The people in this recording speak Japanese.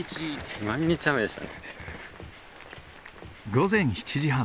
午前７時半。